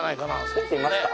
ついてみますか？